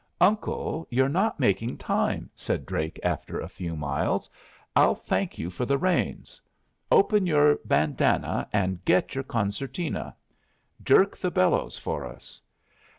"Uncle, you're not making time," said Drake after a few miles. "I'll thank you for the reins. Open your bandanna and get your concertina. Jerk the bellows for us."